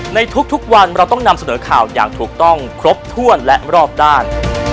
ในทุกวันเราต้องนำเสนอข่าวอย่างถูกต้องครบถ้วนและรอบด้าน